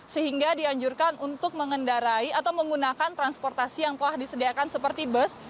sehingga dianjurkan untuk mengendarai atau menggunakan transportasi yang telah disediakan seperti bus